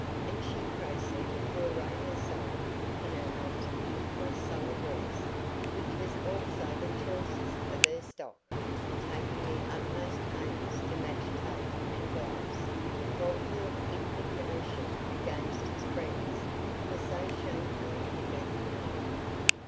And she proceeded to array herself in her most youthful summer dress, which was also the choicest of her stock, taking the utmost pains to match toque and gloves, while full of indignation against his friends for so shamefully neglecting him.